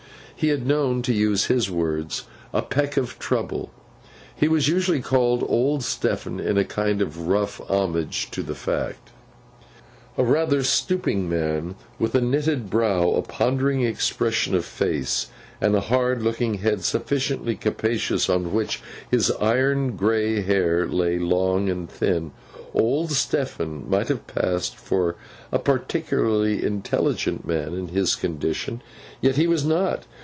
He had known, to use his words, a peck of trouble. He was usually called Old Stephen, in a kind of rough homage to the fact. A rather stooping man, with a knitted brow, a pondering expression of face, and a hard looking head sufficiently capacious, on which his iron grey hair lay long and thin, Old Stephen might have passed for a particularly intelligent man in his condition. Yet he was not.